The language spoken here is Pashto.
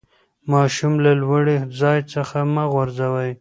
ماشوم له لوړي ځای څخه مه غورځوئ.